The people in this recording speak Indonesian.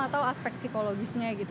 atau aspek psikologisnya gitu